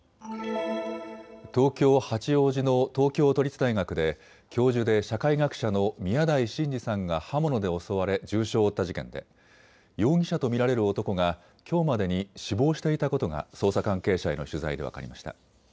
東京八王子の東京都立大学で教授で社会学者の宮台真司さんが刃物で襲われ重傷を負った事件で容疑者と見られる男がきょうまでに死亡していたことが捜査関係者への取材で分かりました。